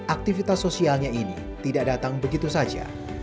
aktivitas sosialnya ini tidak datang begitu saja